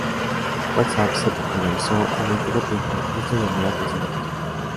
WhatsApp se popularizó en muy poco tiempo, y esto llamó la atención de Facebook.